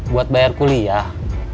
buat bayar kuliah